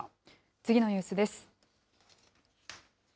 次のニュースです。